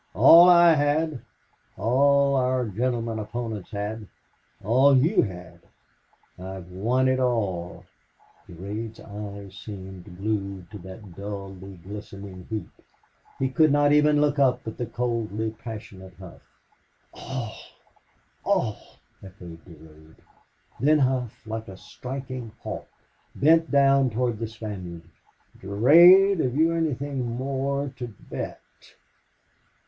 "All I had all our gentlemen opponents had all YOU had... I have won it all!" Durade's eyes seemed glued to that dully glistening heap. He could not even look up at the coldly passionate Hough. "All! All!" echoed Durade. Then Hough, like a striking hawk, bent toward the Spaniard. "Durade, have you anything more to bet?"